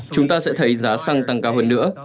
chúng ta sẽ thấy giá xăng tăng cao hơn nữa